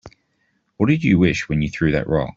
What'd you wish when you threw that rock?